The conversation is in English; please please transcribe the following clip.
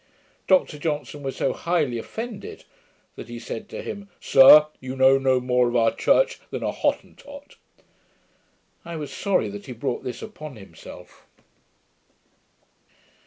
Dr Johnson was so highly offended, that he said to him, 'Sir, you know no more of our church than a Hottentot.' I was sorry that he brought this upon himself.